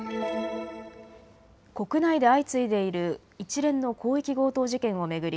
国内で相次いでいる一連の広域強盗事件を巡り